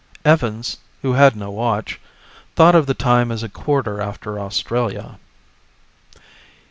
Evans, who had no watch, thought of the time as a quarter after Australia.